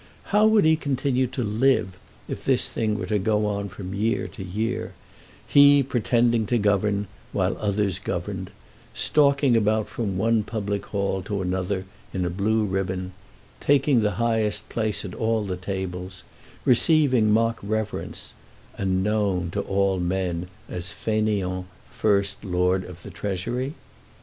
How would he continue to live if this thing were to go on from year to year, he pretending to govern while others governed, stalking about from one public hall to another in a blue ribbon, taking the highest place at all tables, receiving mock reverence, and known to all men as fainéant First Lord of the Treasury?